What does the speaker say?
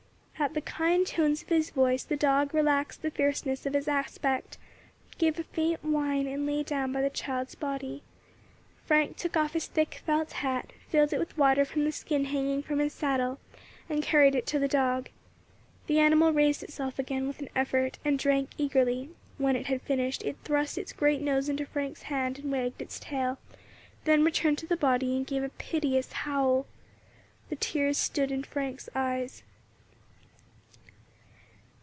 At the kind tones of the voice the dog relaxed the fierceness of its aspect, it gave a faint whine, and lay down by the child's body. Frank took off his thick felt hat, filled it with water from the skin hanging from his saddle, and carried it to the dog. The animal raised itself again with an effort, and drank eagerly; when it had finished, it thrust its great nose into Frank's hand and wagged its tail, then it returned to the body and gave a piteous howl. The tears stood in Frank's eyes.